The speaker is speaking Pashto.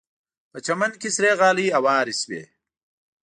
په چمن کې سرې غالۍ هوارې شوې.